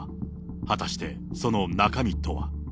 果たしてその中身とは。